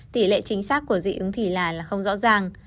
tỷ lệ chính xác của dị ứng thì là không rõ ràng